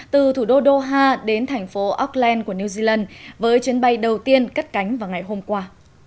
từ thủ đô doha đến thành phố auckland của new zealand với chuyến bay đầu tiên cất cánh vào ngày hôm qua